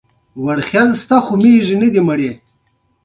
تر سر ليک لاندي په دي رساله کې هڅه کړي ده